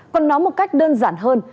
còn nói một cách đơn giản hơn